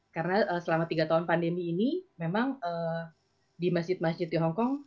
karena selama tiga tahun pandemi ini memang di masjid masjid di hongkong